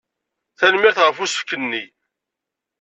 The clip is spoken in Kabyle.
Tanemmirt ɣef usefk-nni.